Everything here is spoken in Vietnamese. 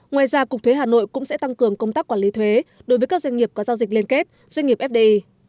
ngoài ra cục thuế hà nội cũng sẽ tăng cường công tác quản lý thuế đối với các doanh nghiệp có giao dịch liên kết doanh nghiệp fdi